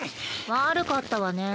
悪かったわね。